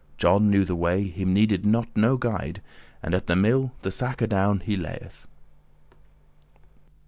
John knew the way, him needed not no guide, And at the mill the sack adown he lay'th.